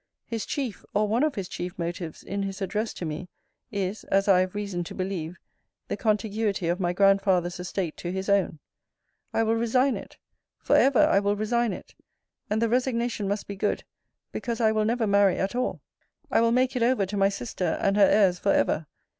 His chief, or one of his chief motives in his address to me, is, as I have reason to believe, the contiguity of my grandfather's estate to his own. I will resign it; for ever I will resign it: and the resignation must be good, because I will never marry at all. I will make it over to my sister, and her heirs for ever.